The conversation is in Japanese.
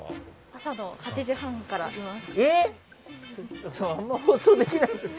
朝の８時半からです。